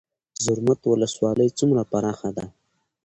زرمت ولسوالۍ څومره پراخه ده؟